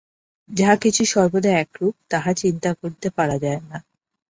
যাহা কিছু সর্বদা একরূপ, তাহা চিন্তা করিতে পারা যায় না।